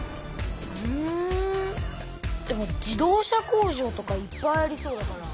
うんでも自動車工場とかいっぱいありそうだから９０％。